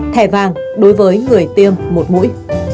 thẻ vàng đối với người tiêm một mũi